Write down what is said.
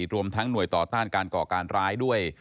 รวมทั้งหน่วยต่อต้านการก่อการร้ายด้วย